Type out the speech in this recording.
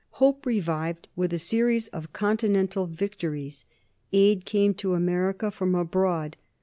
Hope revived with a series of Continental victories. Aid came to America from abroad.